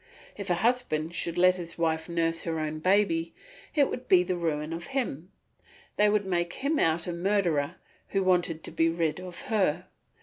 If a husband should let his wife nurse her own baby it would be the ruin of him; they would make him out a murderer who wanted to be rid of her.